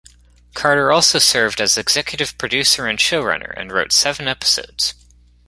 Carter also served as executive producer and showrunner and wrote seven episodes.